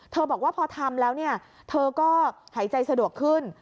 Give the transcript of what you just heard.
เธอบอกว่าพอทำแล้วเธอก็หายใจสะดวกขึ้น